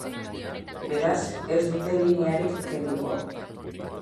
Beraz, ez dute linearik kenduko.